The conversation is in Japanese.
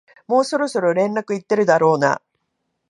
もうそろそろ連絡行ってるだろうな